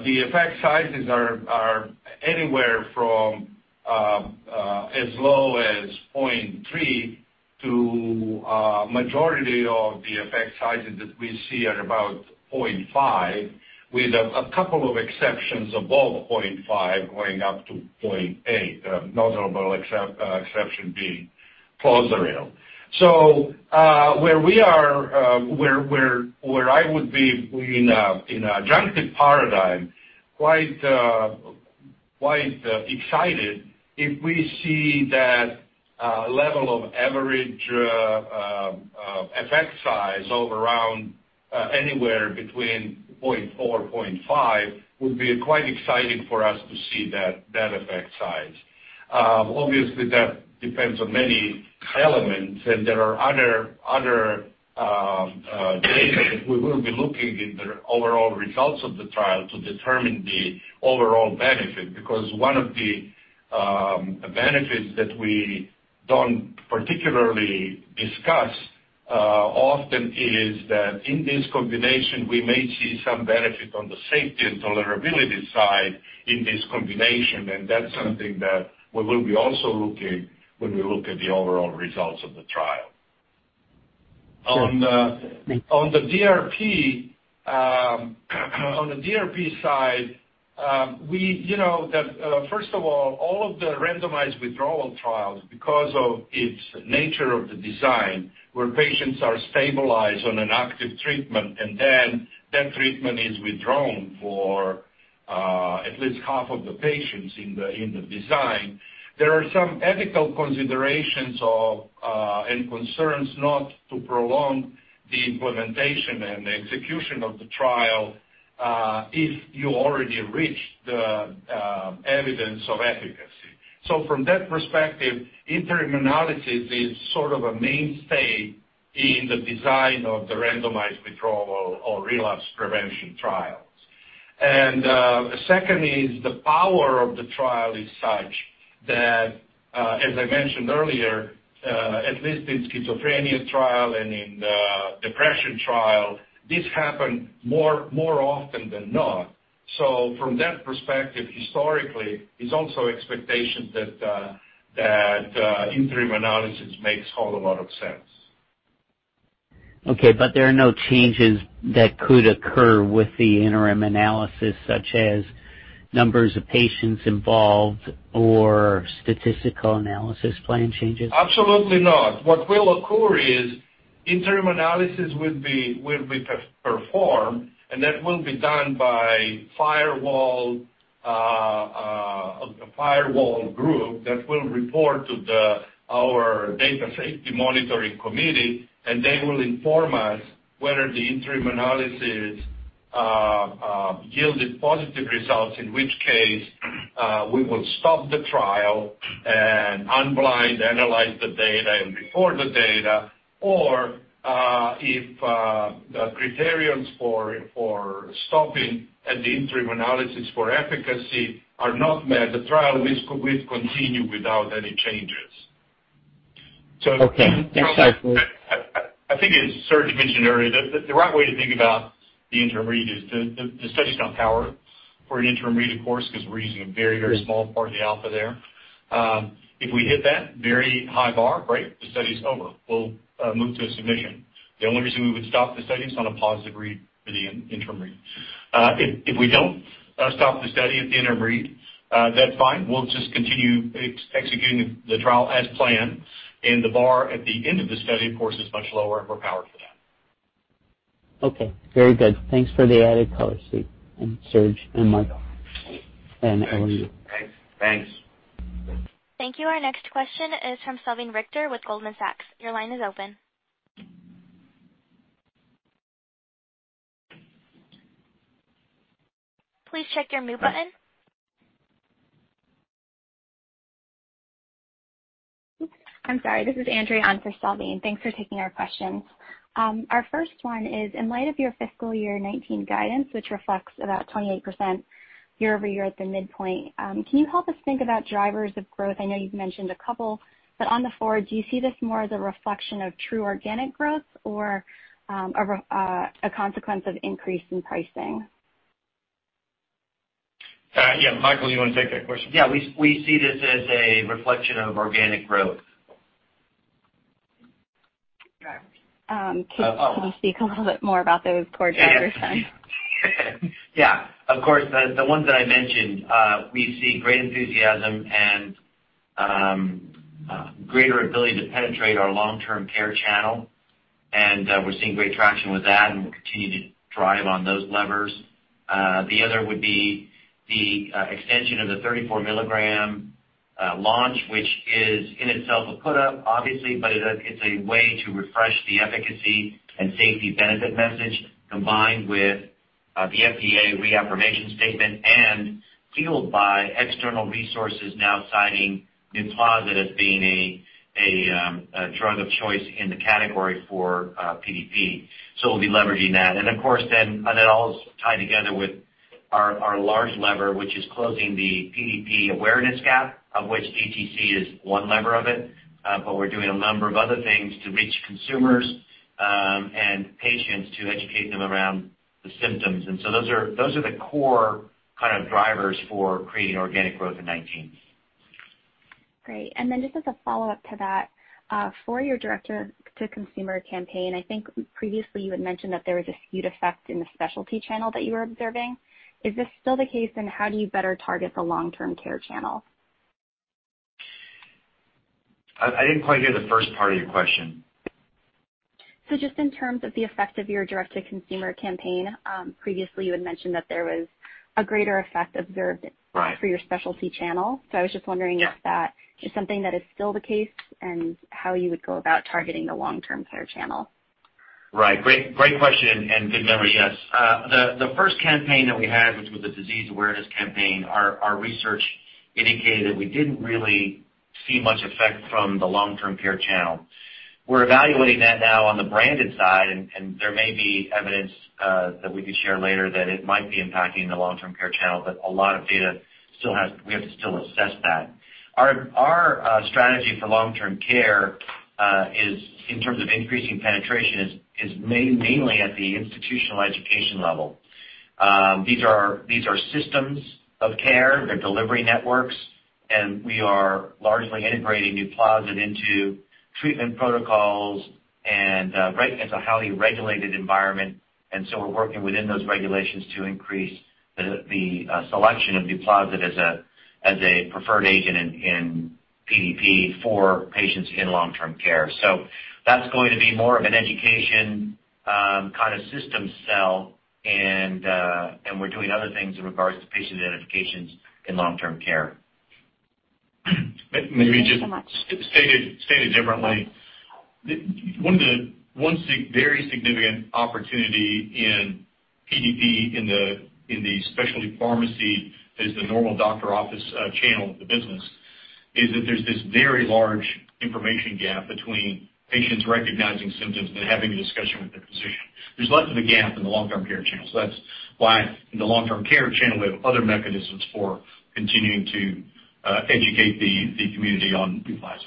the effect sizes are anywhere from as low as 0.3 to a majority of the effect sizes that we see are about 0.5, with a couple of exceptions above 0.5 going up to 0.8, notable exception being CLOZARIL. Where I would be in adjunctive paradigm, quite excited if we see that level of average effect size of around anywhere between 0.4, 0.5, would be quite exciting for us to see that effect size. Obviously, that depends on many elements, and there are other data that we will be looking at the overall results of the trial to determine the overall benefit. One of the benefits that we don't particularly discuss often is that in this combination, we may see some benefit on the safety and tolerability side in this combination, and that's something that we will be also looking when we look at the overall results of the trial. Sure. On the DRP side, first of all of the randomized withdrawal trials, because of its nature of the design, where patients are stabilized on an active treatment and then that treatment is withdrawn for at least half of the patients in the design. There are some ethical considerations and concerns not to prolong the implementation and execution of the trial if you already reached the evidence of efficacy. From that perspective, interim analysis is sort of a mainstay in the design of the randomized withdrawal or relapse prevention trials. The second is the power of the trial is such that, as I mentioned earlier, at least in schizophrenia trial and in depression trial, this happened more often than not. From that perspective, historically, it is also expectation that interim analysis makes whole lot of sense. Okay, there are no changes that could occur with the interim analysis, such as numbers of patients involved or statistical analysis plan changes? Absolutely not. What will occur is interim analysis will be performed, and that will be done by a firewall group that will report to our Data Safety Monitoring Committee, and they will inform us whether the interim analysis yielded positive results, in which case we will stop the trial and unblind, analyze the data and report the data. If the criteria for stopping at the interim analysis for efficacy are not met, the trial will continue without any changes. Okay. Thanks, Srdjan. I think as Srdjan mentioned earlier, the right way to think about the interim read is the study's got power for an interim read, of course, because we're using a very small part of the alpha there. If we hit that very high bar, right, the study's over. We'll move to a submission. The only reason we would stop the study is on a positive read for the interim read. If we don't stop the study at the interim read, that's fine. We'll just continue executing the trial as planned, and the bar at the end of the study, of course, is much lower, and we're powered for that. Okay. Very good. Thanks for the added color, Steve and Srdjan and Michael and OU. Thanks. Thank you. Our next question is from Salveen Richter with Goldman Sachs. Your line is open. Please check your mute button. I'm sorry. This is Andrea on for Salveen. Thanks for taking our questions. Our first one is, in light of your fiscal year 2019 guidance, which reflects about 28% year-over-year at the midpoint, can you help us think about drivers of growth? I know you've mentioned a couple. On the forward, do you see this more as a reflection of true organic growth or a consequence of increase in pricing? Yeah. Michael, you want to take that question? Yeah. We see this as a reflection of organic growth. Can you speak a little bit more about those core drivers then? Yeah. Of course, the ones that I mentioned. We see great enthusiasm and greater ability to penetrate our long-term care channel, and we're seeing great traction with that and we'll continue to drive on those levers. The other would be the extension of the 34 milligram launch, which is in itself a put up, obviously, but it's a way to refresh the efficacy and safety benefit message, combined with the FDA reaffirmation statement and fueled by external resources now citing NUPLAZID as being a drug of choice in the category for PDP. We'll be leveraging that. Of course, then, and it all is tied together with our large lever, which is closing the PDP awareness gap, of which DTC is one lever of it. We're doing a number of other things to reach consumers and patients to educate them around the symptoms. Those are the core kind of drivers for creating organic growth in 2019. Great. Just as a follow-up to that, for your direct-to-consumer campaign, I think previously you had mentioned that there was a skewed effect in the specialty channel that you were observing. Is this still the case, and how do you better target the long-term care channel? I didn't quite hear the first part of your question. Just in terms of the effect of your direct-to-consumer campaign, previously you had mentioned that there was a greater effect observed. Right For your specialty channel. I was just wondering if that is something that is still the case and how you would go about targeting the long-term care channel. Right. Great question and good memory. Yes. The first campaign that we had, which was the disease awareness campaign, our research indicated we didn't really see much effect from the long-term care channel. We're evaluating that now on the branded side, and there may be evidence that we could share later that it might be impacting the long-term care channel, but a lot of data we have to still assess that. Our strategy for long-term care is, in terms of increasing penetration, is mainly at the institutional education level. These are systems of care. They're delivery networks, and we are largely integrating NUPLAZID into treatment protocols and it's a highly regulated environment, and so we're working within those regulations to increase the selection of NUPLAZID as a preferred agent in PDP for patients in long-term care. That's going to be more of an education Kind of systems sell and we're doing other things in regards to patient identifications in long-term care. Maybe just- Thank you so much stated differently. One very significant opportunity in PDP in the specialty pharmacy is the normal doctor office channel of the business, is that there's this very large information gap between patients recognizing symptoms and having a discussion with their physician. There's less of a gap in the long-term care channel. That's why in the long-term care channel, we have other mechanisms for continuing to educate the community on NUPLAZID.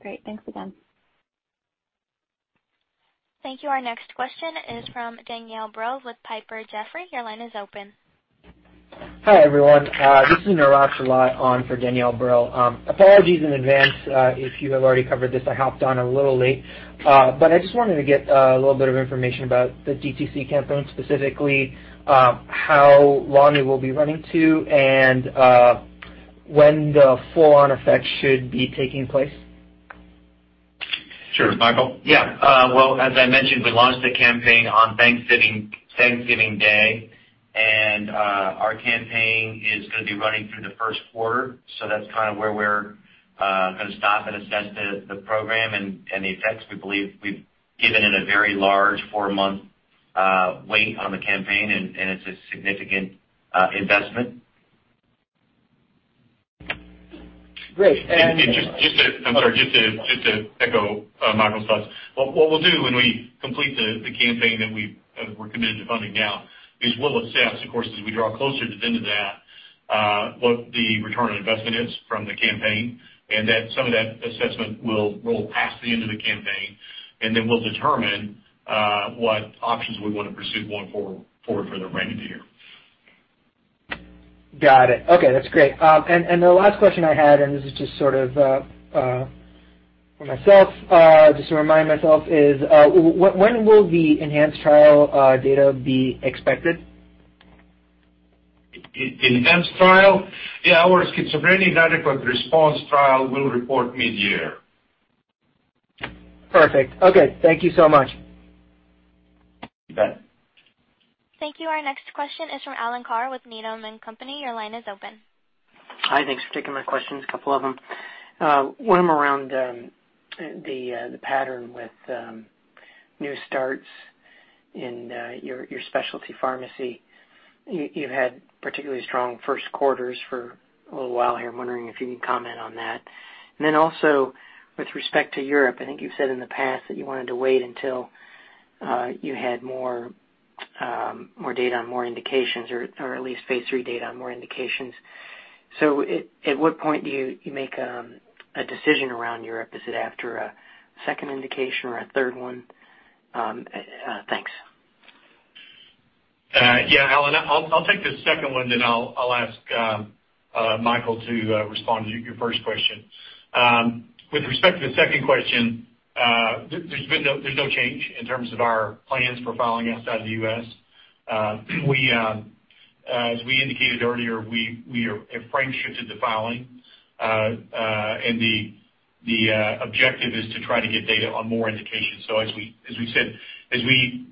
Great. Thanks again. Thank you. Our next question is from Danielle Brill with Piper Jaffray. Your line is open. Hi, everyone. This is Niraj Gilat on for Danielle Brill. Apologies in advance if you have already covered this. I hopped on a little late. I just wanted to get a little bit of information about the DTC campaign. Specifically, how long it will be running to and when the full-on effect should be taking place. Sure. Michael? Yeah. Well, as I mentioned, we launched a campaign on Thanksgiving Day, and our campaign is going to be running through the first quarter. That's kind of where we're going to stop and assess the program and the effects. We believe we've given it a very large four-month weight on the campaign, and it's a significant investment. Great. Just to echo Michael's thoughts. What we'll do when we complete the campaign that we're committed to funding now is we'll assess, of course, as we draw closer to the end of that, what the return on investment is from the campaign, and that some of that assessment will roll past the end of the campaign, and then we'll determine what options we want to pursue going forward for the remaining year. Got it. Okay, that's great. The last question I had, and this is just sort of for myself, just to remind myself is, when will the ENHANCE trial data be expected? ENHANCE trial? Yeah, our schizophrenia inadequate response trial will report mid-year. Perfect. Okay. Thank you so much. You bet. Thank you. Our next question is from Alan Carr with Needham & Company. Your line is open. Hi. Thanks for taking my questions, a couple of them. One of them around the pattern with new starts in your specialty pharmacy. You've had particularly strong first quarters for a little while here. I'm wondering if you can comment on that. Also with respect to Europe, I think you've said in the past that you wanted to wait until you had more data on more indications or at least phase III data on more indications. At what point do you make a decision around Europe? Is it after a second indication or a third one? Thanks. Yeah. Alan, I'll take the second one then I'll ask Michael to respond to your first question. With respect to the second question, there's no change in terms of our plans for filing outside the U.S. As we indicated earlier, we have frame shifted the filing. The objective is to try to get data on more indications. As we said, as we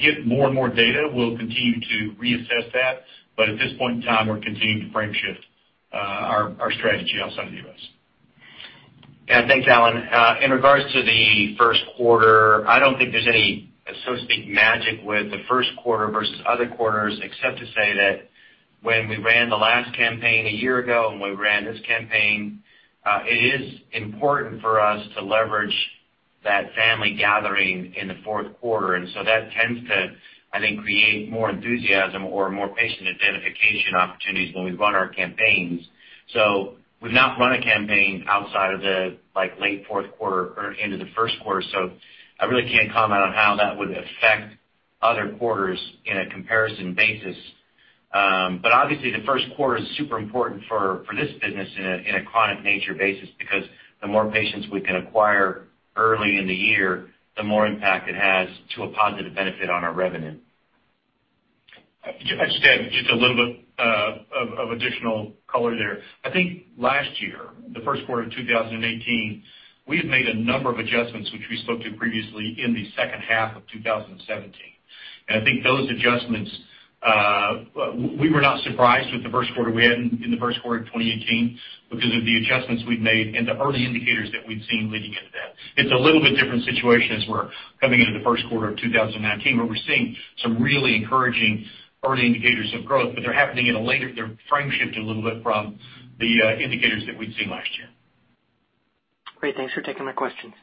get more and more data, we'll continue to reassess that. At this point in time, we're continuing to frame shift our strategy outside of the U.S. Yeah. Thanks, Alan. In regards to the first quarter, I don't think there's any, so to speak, magic with the first quarter versus other quarters, except to say that when we ran the last campaign a year ago and when we ran this campaign, it is important for us to leverage that family gathering in the fourth quarter. That tends to, I think, create more enthusiasm or more patient identification opportunities when we run our campaigns. We've not run a campaign outside of the late fourth quarter or into the first quarter, so I really can't comment on how that would affect other quarters in a comparison basis. Obviously the first quarter is super important for this business in a chronic nature basis because the more patients we can acquire early in the year, the more impact it has to a positive benefit on our revenue. I just have a little bit of additional color there. I think last year, the first quarter of 2018, we had made a number of adjustments which we spoke to previously in the second half of 2017. I think those adjustments, we were not surprised with the first quarter we had in the first quarter of 2018 because of the adjustments we'd made and the early indicators that we'd seen leading into that. It's a little bit different situation as we're coming into the first quarter of 2019 where we're seeing some really encouraging early indicators of growth, but they're frame shifted a little bit from the indicators that we'd seen last year. Great. Thanks for taking my questions.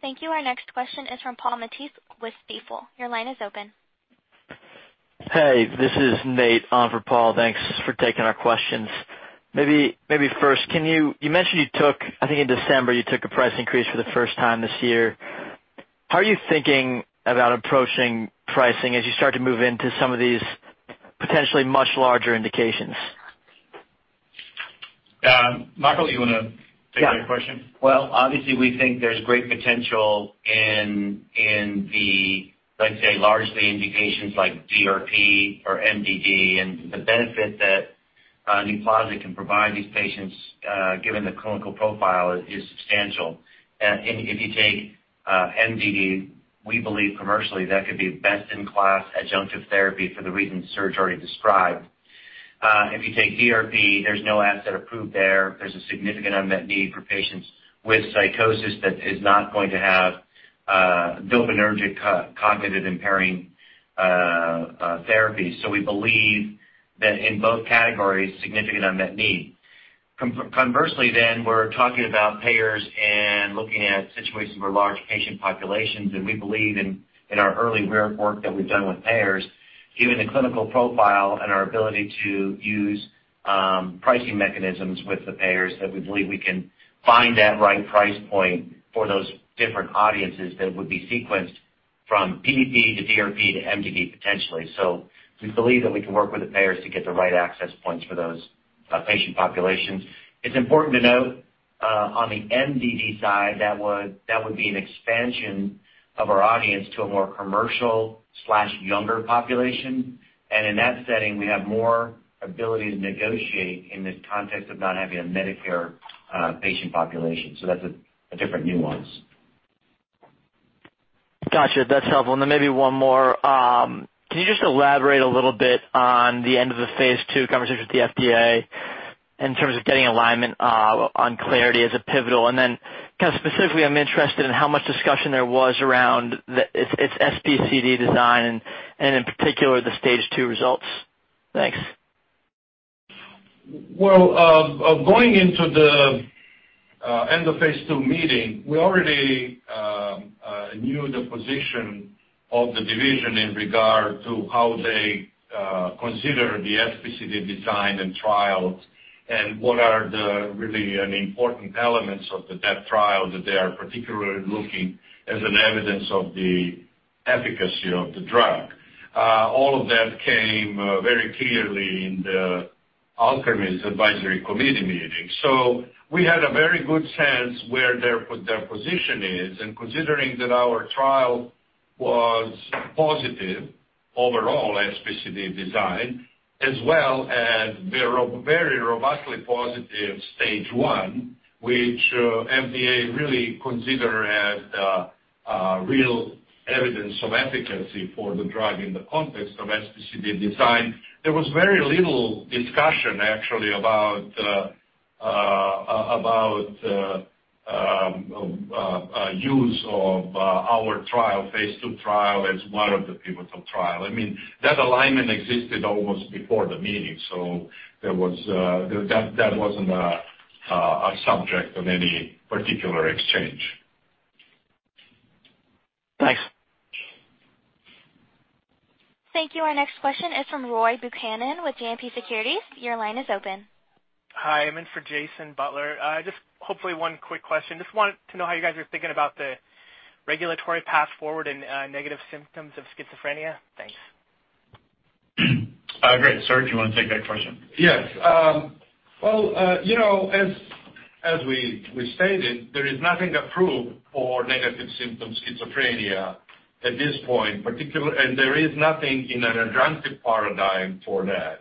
Thank you. Our next question is from Paul Matteis with Stifel. Your line is open. Hey, this is Nate on for Paul. Thanks for taking our questions. Maybe first, you mentioned you took, I think in December, you took a price increase for the first time this year. How are you thinking about approaching pricing as you start to move into some of these potentially much larger indications? Michael, you want to take that question? Yeah. Well, obviously we think there's great potential in the, let's say, largely indications like DRP or MDD and the benefit that NUPLAZID can provide these patients, given the clinical profile, is substantial. If you take MDD, we believe commercially that could be best in class adjunctive therapy for the reasons Srdjan already described. If you take DRP, there's no asset approved there. There's a significant unmet need for patients with psychosis that is not going to have dopaminergic cognitive impairing therapies. We believe that in both categories, significant unmet need. Conversely, we're talking about payers and looking at situations where large patient populations. We believe in our early work that we've done with payers, given the clinical profile and our ability to use pricing mechanisms with the payers, that we believe we can find that right price point for those different audiences that would be sequenced from PDP to DRP to MDD, potentially. We believe that we can work with the payers to get the right access points for those patient populations. It's important to note, on the MDD side, that would be an expansion of our audience to a more commercial/younger population. In that setting, we have more ability to negotiate in the context of not having a Medicare patient population. That's a different nuance. Got you. That's helpful. Maybe one more. Can you just elaborate a little bit on the end of the phase II conversation with the FDA in terms of getting alignment on CLARITY as a pivotal? Specifically, I'm interested in how much discussion there was around its SPCD design and in particular, the stage 2 results. Thanks. Going into the end of phase II meeting, we already knew the position of the division in regard to how they consider the SPCD design and trials and what are the really important elements of that trial that they are particularly looking as an evidence of the efficacy of the drug. All of that came very clearly in the outcome of its advisory committee meeting. We had a very good sense where their position is, considering that our trial was positive overall SPCD design, as well as very robustly positive stage 1, which FDA really consider as the real evidence of efficacy for the drug in the context of SPCD design. There was very little discussion, actually, about use of our phase II trial as one of the pivotal trial. That alignment existed almost before the meeting. That wasn't a subject of any particular exchange. Thanks. Thank you. Our next question is from Roy Buchanan with JMP Securities. Your line is open. Hi, I'm in for Jason Butler. Hopefully one quick question. Just wanted to know how you guys are thinking about the regulatory path forward in negative symptoms of schizophrenia. Thanks. Great. Srdjan, you want to take that question? Yes. Well, as we stated, there is nothing approved for negative symptom schizophrenia at this point, there is nothing in an adjunctive paradigm for that.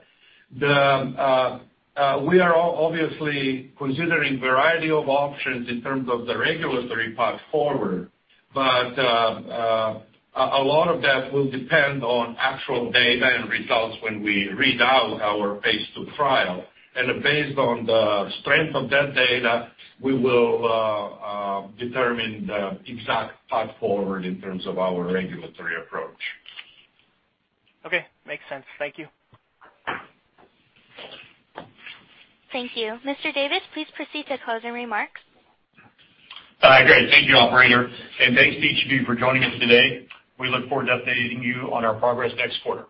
We are obviously considering variety of options in terms of the regulatory path forward, a lot of that will depend on actual data and results when we read out our phase II trial. Based on the strength of that data, we will determine the exact path forward in terms of our regulatory approach. Okay. Makes sense. Thank you. Thank you. Mr. Davis, please proceed to closing remarks. Great. Thank you, operator, thanks to each of you for joining us today. We look forward to updating you on our progress next quarter.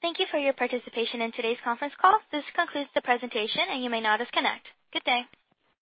Thank you for your participation in today's conference call. This concludes the presentation, you may now disconnect. Good day.